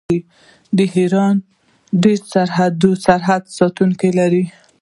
ایران ډیر سرحدي ساتونکي لري.